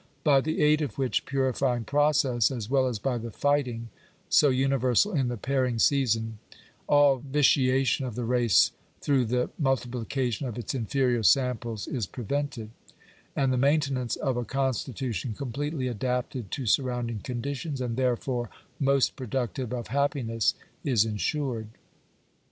By the aid of which purifying process, as well as by the fighting, so universal in the pairing season, all vitiation of the race through the multiplication of its inferior samples is prevented; and the maintenance of a constitution completely adapted to surrounding conditions, and therefore most productive of happiness, is ensured.